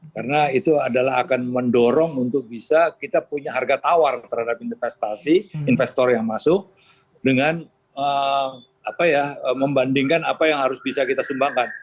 karena itu adalah akan mendorong untuk bisa kita punya harga tawar terhadap investasi investor yang masuk dengan membandingkan apa yang harus bisa kita sumbangkan